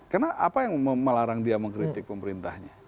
karena apa yang melarang dia mengkritik pemerintahnya